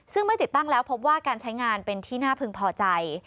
ซึ่งไม่ติดตั้งแล้วพบว่าการใช้งานเป็นที่น่าพึงพอใจ